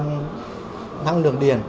năng lượng điện